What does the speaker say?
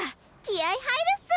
気合い入るっす！